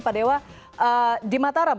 pak dewa di mataram